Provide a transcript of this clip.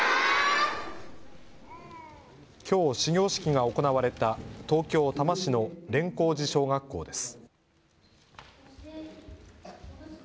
きょう始業式が行われた東京多摩市の連光寺小学校です。